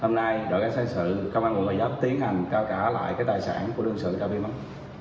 hôm nay đội cảnh sát hành sự công an quận người giáp tiến hành cao cả lại tài sản của đơn sự đã bị mất